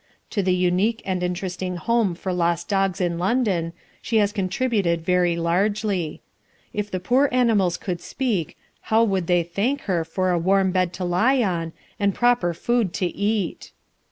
To the unique and interesting home for lost dogs in London, she has contributed very largely. If the poor animals could speak, how would they thank her for a warm bed to lie on, and proper food to eat!